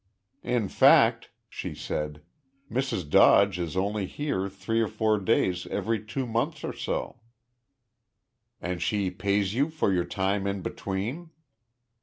"In fact," she said, "Mrs. Dodge is only here three or four days every two months or so." "And she pays you for your time in between?"